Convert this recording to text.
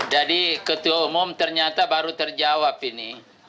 jadi ketua umum ternyata baru terjawab ini